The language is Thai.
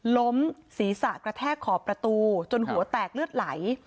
ล้มศีรษะกระแทกขอบประตูจนหัวแตกเลือดไหล